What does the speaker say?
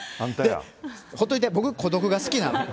ほっといて、僕、孤独が好きなの。